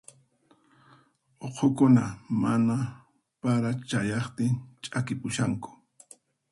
Uqhukuna mana para chayaqtin ch'akipushanku.